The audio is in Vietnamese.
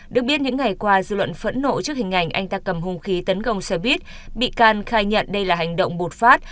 được biết những ngày qua dư luận phẫn nộ trước hình ảnh anh ta cầm hung khí tấn công xe buýt bị can khai nhận đây là hành động bột phát